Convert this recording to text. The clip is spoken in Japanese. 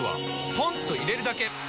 ポンと入れるだけ！